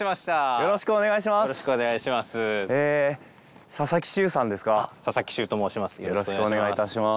よろしくお願いします。